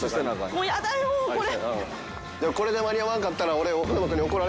もうやだよこれ。